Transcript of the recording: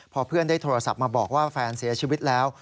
พอเพื่อนได้โทรศัพท์มาบอกว่าแฟนเสียชีวิตแล้ว